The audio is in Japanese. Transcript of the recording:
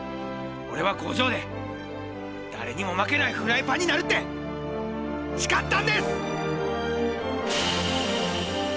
俺は工場で誰にも負けないフライパンになるって誓ったんです！